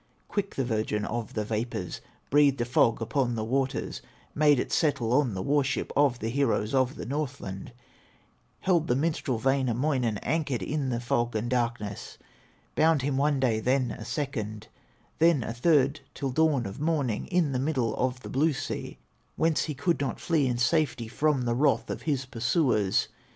Quick the virgin of the vapors Breathed a fog upon the waters, Made it settle on the war ship Of the heroes of the Northland, Held the minstrel, Wainamoinen, Anchored in the fog and darkness; Bound him one day, then a second, Then a third till dawn of morning, In the middle of the blue sea, Whence he could not flee in safety From the wrath of his pursuers.